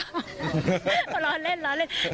มีความรู้สึกด้วยว่าทำไมอาจจะดูเลยมาย